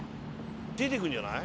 出ていくんじゃない？